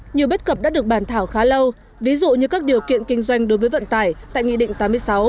nhiều bất cập đã được bàn thảo khá lâu ví dụ như các điều kiện kinh doanh đối với vận tải tại nghị định tám mươi sáu